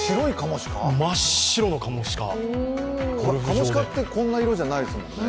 カモシカってこんな色じゃないですもんね。